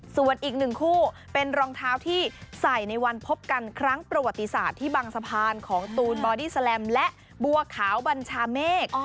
ส่วนอีกหนึ่งคู่เป็นรองเท้าที่ใส่ในวันพบกันครั้งประวัติศาสตร์ที่บังสะพานของตูนบอดี้แลมและบัวขาวบัญชาเมฆ